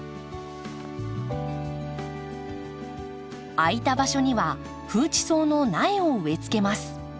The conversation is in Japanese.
空いた場所にはフウチソウの苗を植えつけます。